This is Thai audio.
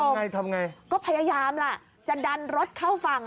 ไงทำไงก็พยายามล่ะจะดันรถเข้าฝั่ง